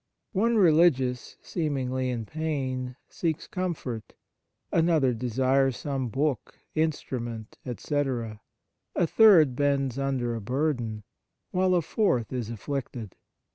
One religious, seem ingly in pain, seeks comfort ; another desires some book, instrument, etc.; a third bends under a burden ; while a fourth is afflicted.